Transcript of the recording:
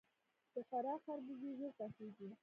د فراه خربوزې ژر پخیږي.